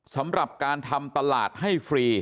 สำหรับการทำตลาดให้ฟรี